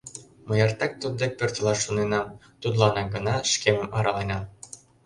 Мый эртак туддек пӧртылаш шоненам, тудланак гына шкемым араленам...